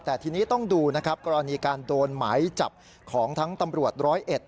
แต่ทีนี้ต้องดูนะครับกรณีการโดนหมายจับของทั้งตำรวจร้อยเอ็ด